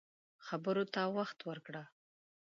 خبرو ته وخت ورکړه